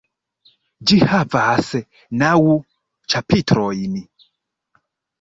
Ĝi havas naŭ ĉapitrojn.